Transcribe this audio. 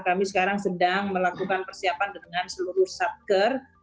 kami sekarang sedang melakukan persiapan dengan seluruh satker